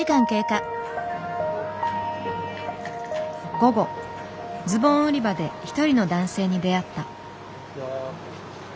午後ズボン売り場で一人の男性に出会った。